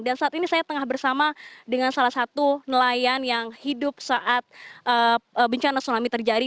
dan saat ini saya tengah bersama dengan salah satu nelayan yang hidup saat bencana tsunami terjadi